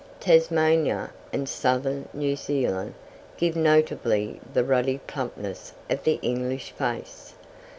Tasmania and Southern New Zealand give notably the ruddy plumpness of the English face.